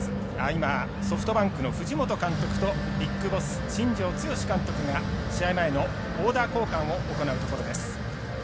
今、ソフトバンクの藤本監督とＢＩＧＢＯＳＳ、新庄剛志監督が試合前のオーダー交換を行うところです。